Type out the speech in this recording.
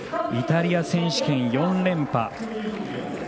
イタリア選手権４連覇。